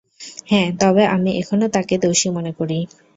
হ্যাঁ, তবে আমি এখনও তাকে দোষী মনে করি।